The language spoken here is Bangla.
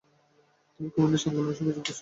তিনি কমিউনিস্ট আন্দোলনের সঙ্গে যুক্ত ছিলেন।